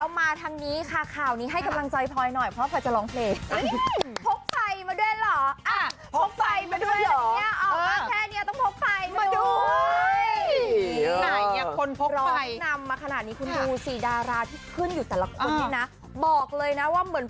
มาทางนี้ค่ะข่าวนี้ให้กำลังใจพลอยหน่อยเพราะพลอยจะร้องเพลง